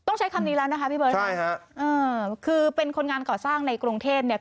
ต้องใช้คำนี้แล้วนะคะพี่เบิร์ตค่ะเออคือเป็นคนงานก่อสร้างในกรุงเทพเนี่ย